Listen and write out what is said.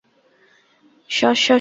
শশসশস - সে কি করছে?